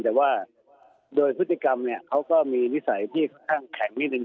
แต่ว่าโดยพฤติกรรมเนี่ยเขาก็มีนิสัยที่ค่อนข้างแข็งนิดนึง